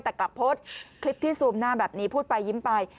แต่กลับโพสต์คลิปที่ซูมหน้าแบบนี้พูดไปยิ้มไป